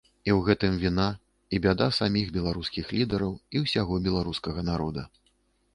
І ў гэтым віна і бяда саміх беларускіх лідараў і ўсяго беларускага народа.